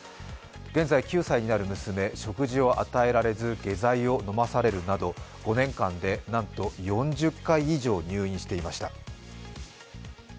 現在９歳になる娘、食事を与えられず下剤を飲まされるなど５年間でなんと４０回以上入院していました。